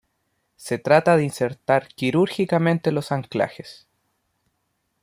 Se trata de insertar quirúrgicamente los anclajes.